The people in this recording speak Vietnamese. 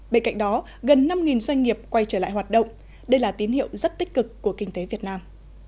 bên cạnh đó gần năm doanh nghiệp quay trở lại hoạt động đây là tín hiệu rất tích cực của kinh tế việt nam